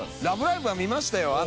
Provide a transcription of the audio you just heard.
『ラブライブ！』は見ましたよ。